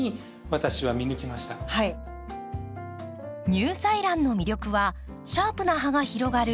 ニューサイランの魅力はシャープな葉が広がる